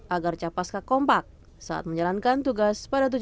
agar capaska kompak saat menjalankan tugas perpindahan